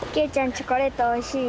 チョコレートおいしい？